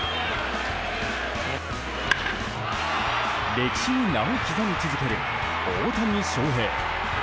歴史に名を刻み続ける大谷翔平。